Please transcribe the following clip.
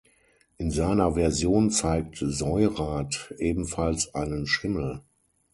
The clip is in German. In seiner Version zeigt Seurat ebenfalls einen Schimmel.